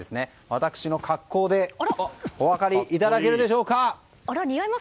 私の格好でお分かりいただけるでしょうか。